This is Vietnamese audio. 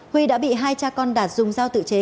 huy đã bị hai cha con đạt dùng dao tự chế